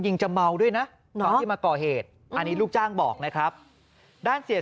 จะเมาด้วยนะตอนที่มาก่อเหตุอันนี้ลูกจ้างบอกนะครับด้านเสีย